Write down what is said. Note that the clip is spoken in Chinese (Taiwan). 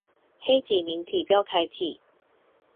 黑體明體標楷體